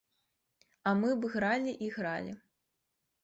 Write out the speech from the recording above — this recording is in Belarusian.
А мы б гралі і гралі.